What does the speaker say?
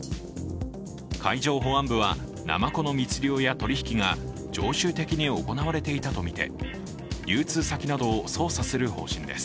海上保安部はなまこの密漁や取り引きが常習的に行われていたとみて流通先などを捜査する方針です。